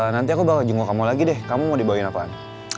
nanti aku bawa jenggok kamu lagi deh kamu mau dibawain apaan